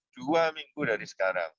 dua minggu dari sekarang